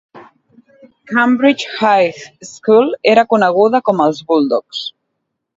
Cambridge High School era coneguda com els Bulldogs.